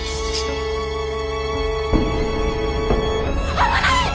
危ない！